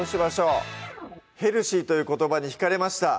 ヘルシーという言葉にひかれました